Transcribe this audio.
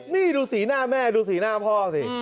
นี่ดูสีหน้าแม่ดูสีหน้าพ่อสิ